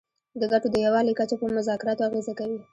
د ګټو د یووالي کچه په مذاکراتو اغیزه کوي